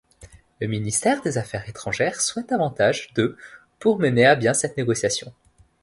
Le Ministère des Affaires étrangères souhaite davantage de pour mener à bien cette négociation.